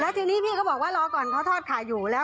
ทีนี้พี่ก็บอกว่ารอก่อนเขาทอดขายอยู่แล้ว